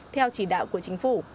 theo chỉ đạo của chính phủ